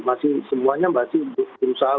masih semuanya masih berusaha